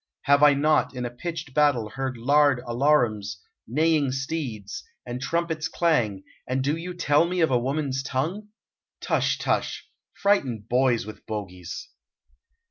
Have I not in a pitched battle heard loud alarums, neighing steeds, and trumpets clang, and do you tell me of a woman's tongue? Tush, tush! Frighten boys with bogies!"